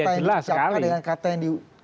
katanya dicapkan dengan kata yang di